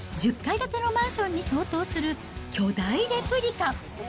１０階建てのマンションに相当する巨大レプリカ。